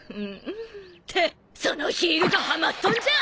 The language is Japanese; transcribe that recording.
そのヒールがハマっとんじゃ！